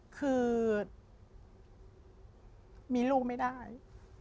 คือมีลูกไม่ได้